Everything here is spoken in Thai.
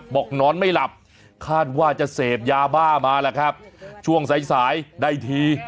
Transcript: บอกนอนไม่หลับคาดว่าจะเสพยาบ้ามาแหละครับช่วงสายสายได้ที